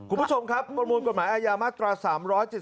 คุณผู้ชมครับประมวลกฎหมายอาญามาตรา๓๗๒